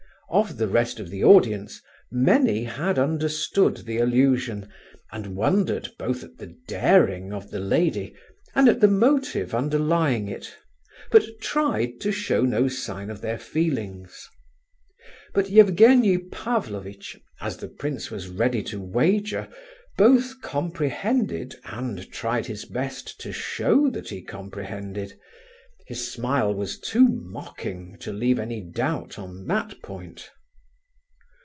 Of the rest of the audience, many had understood the allusion and wondered both at the daring of the lady and at the motive underlying it, but tried to show no sign of their feelings. But Evgenie Pavlovitch (as the prince was ready to wager) both comprehended and tried his best to show that he comprehended; his smile was too mocking to leave any doubt on that point.